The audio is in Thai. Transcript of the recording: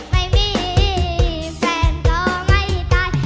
ไม่มีแฟนรอไม่ตาย